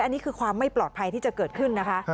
อันนี้คือความไม่ปลอดภัยที่จะเกิดขึ้นนะคะ